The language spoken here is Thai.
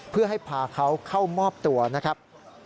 เพื่อให้พาเขาเข้ามอบตัวนะครับ